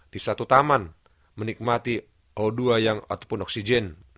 di satu taman menikmati odua yang ataupun oksigen